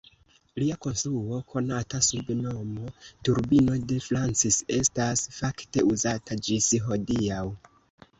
Lia konstruo konata sub nomo Turbino de Francis estas fakte uzata ĝis hodiaŭ.